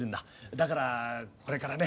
だからこれからね